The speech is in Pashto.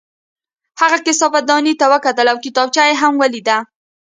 هغه کثافت دانۍ ته وکتل او کتابچه یې هم ولیده